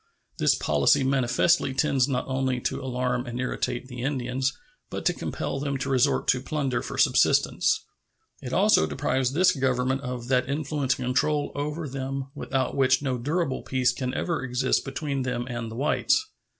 This policy manifestly tends not only to alarm and irritate the Indians, but to compel them to resort to plunder for subsistence. It also deprives this Government of that influence and control over them without which no durable peace can ever exist between them and the whites.